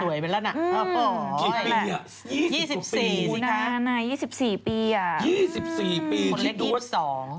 สวยไปแล้วนะอ๋ออย่างนี้๒๔ปีสิคะ